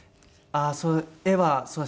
ああそう！